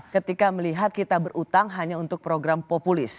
ketika melihat kita berutang hanya untuk program populis